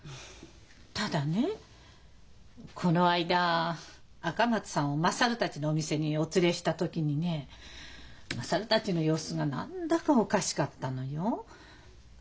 ただねこの間赤松さんを優たちのお店にお連れした時にね優たちの様子が何だかおかしかったのよ。